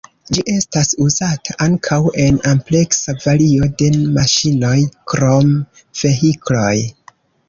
Ĝi estas uzata ankaŭ en ampleksa vario de maŝinoj krom vehikloj.